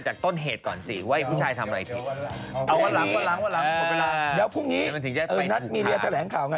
แล้วพรุ่งนี้นัดมีเรียนแถลงข่าวไง